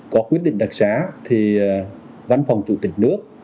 có quyết định đặc xá thì văn phòng chủ tịch nước